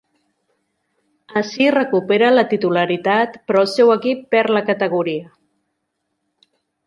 Ací recupera la titularitat, però el seu equip perd la categoria.